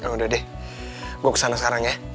udah deh gue kesana sekarang ya